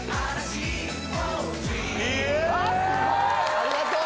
ありがとう。